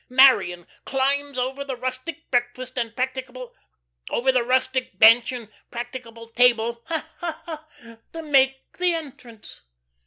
Marion climbs over the rustic breakfast and practicable over the rustic bench and practicable table, ha, ha, to make the entrance."